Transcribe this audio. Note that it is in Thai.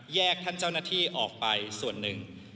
ท่านเจ้าหน้าที่ออกไปส่วนหนึ่ง